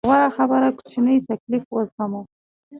غوره خبره کوچنی تکليف وزغمو.